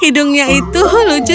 hidungnya itu lucu